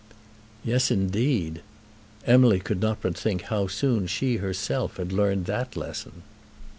"Yes, indeed." Emily could not but think how soon she herself had learned that lesson.